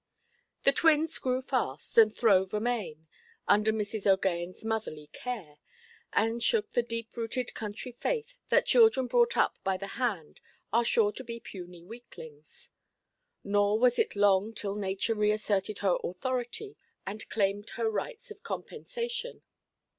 The twins grew fast, and throve amain, under Mrs. OʼGaghanʼs motherly care, and shook the deep–rooted country faith, that children brought up by hand are sure to be puny weaklings. Nor was it long till nature reasserted her authority, and claimed her rights of compensation.